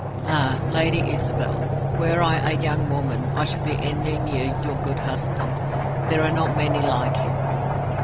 Ah, Lady Isabel, were I a young woman, I should be envying you your good husband; there are not many like him."